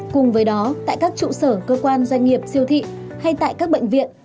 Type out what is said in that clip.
cùng với đó tại các trụ sở cơ quan doanh nghiệp siêu thị hay tại các bệnh viện